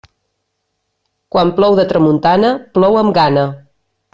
Quan plou de tramuntana, plou amb gana.